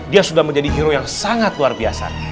dia sudah menjadi hero yang sangat luar biasa